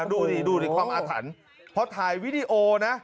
ดูดิดูดิความอาถรรพ์พอถ่ายวิดีโอนะ